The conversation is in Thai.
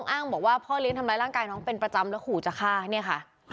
อ้างบอกว่าพ่อเลี้ยงทำร้ายร่างกายน้องเป็นประจำแล้วขู่จะฆ่าเนี่ยค่ะ